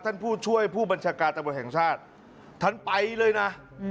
ท่านผู้ช่วยผู้บัญชาการตำรวจแห่งชาติท่านไปเลยนะ